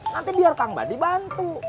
nanti biar kang badi bantu